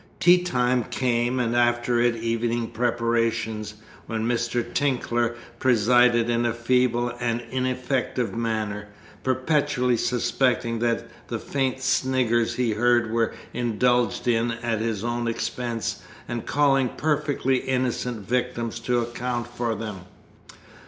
Tea time came, and after it evening preparation, when Mr. Tinkler presided in a feeble and ineffective manner, perpetually suspecting that the faint sniggers he heard were indulged in at his own expense, and calling perfectly innocent victims to account for them.